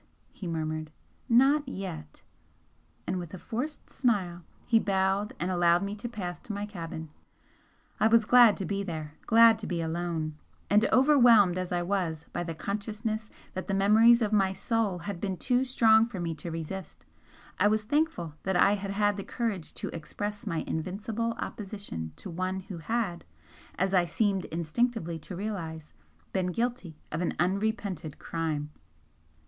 he murmured "Not yet!" and with a forced smile, he bowed and allowed me to pass to my cabin. I was glad to be there glad to be alone and overwhelmed as I was by the consciousness that the memories of my soul had been too strong for me to resist, I was thankful that I had had the courage to express my invincible opposition to one who had, as I seemed instinctively to realise, been guilty of an unrepented crime.